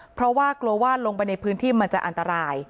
เพราะว่ากลัวว่าลงไปในพื้นที่มันจะอันตราย